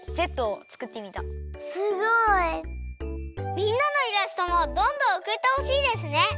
みんなのイラストもどんどんおくってほしいですね！